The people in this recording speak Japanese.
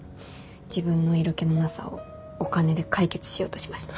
自分の色気のなさをお金で解決しようとしました。